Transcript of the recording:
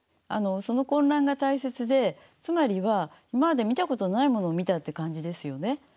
その混乱が大切でつまりは今まで見たことのないものを見たって感じですよね。